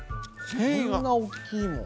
こんな大きいもん。